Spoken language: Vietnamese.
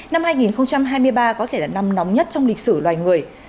năm hai nghìn hai mươi ba có thể là năm nóng nhất trong lịch sử loài người